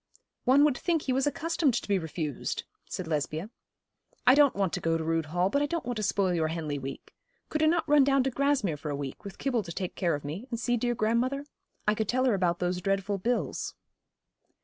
'One would think he was accustomed to be refused,' said Lesbia. 'I don't want to go to Rood Hall, but I don't want to spoil your Henley week. Could not I run down to Grasmere for a week, with Kibble to take care of me, and see dear grandmother? I could tell her about those dreadful bills.'